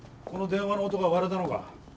この電話の男は割れたのか？